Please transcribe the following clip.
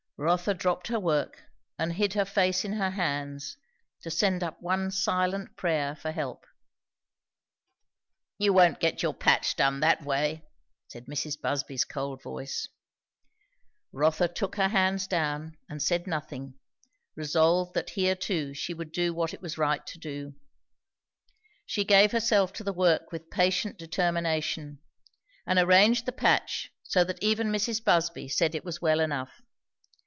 Rotha dropped her work and hid her face in her hands, to send up one silent prayer for help. "You won't get your patch done that way," said Mrs. Busby's cold voice. Rotha took her hands down and said nothing, resolved that here too she would do what it was right to do. She gave herself to the work with patient determination, and arranged the patch so that even Mrs. Busby said it was well enough.